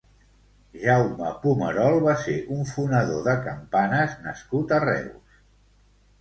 Jaume Pomerol va ser un fonedor de campanes nascut a Reus.